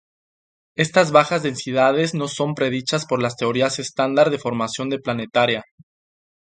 Estas bajas densidades no son predichas por las teorías estándar de formación de planetaria.